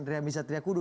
dari amir zatria kudu